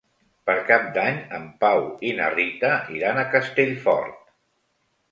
Per Cap d'Any en Pau i na Rita iran a Castellfort.